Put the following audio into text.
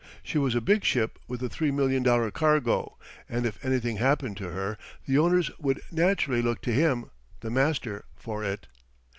She was a big ship with a three million dollar cargo, and if anything happened her, the owners would naturally look to him, the master, for it.